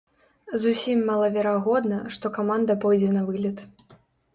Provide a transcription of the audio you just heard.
Зусім малаверагодна, што каманда пойдзе на вылет.